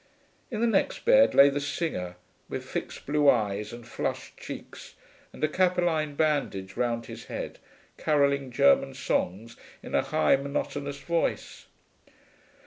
In the next bed lay the singer, with fixed blue eyes and flushed cheeks and a capeline bandage round his head, carolling German songs in a high, monotonous voice.